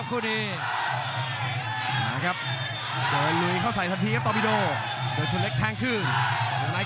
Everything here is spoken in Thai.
ขยับมาซ้ายต่อซ้าย